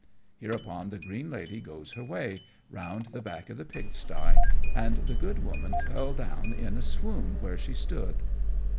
Hereupon the green lady goes her way, round the back of the pig sty, and the good woman fell down in a swoon where she stood.